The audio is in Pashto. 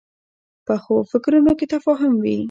پخو فکرونو کې تفاهم وي